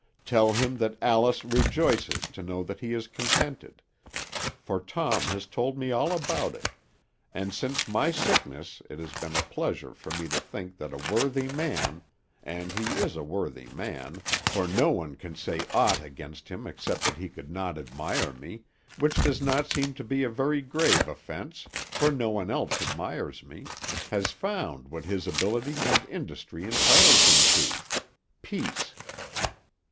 Tell him that Alice rejoices to know that he is contented; for Tom has told me all about it, and since my sickness it has been a pleasure for me to think that a worthy man and he is a worthy man; for no one can say aught against him except that he could not admire me, which does not seem to be a very grave offence, for no one else admires me has found what his ability and industry entitles him to, peace.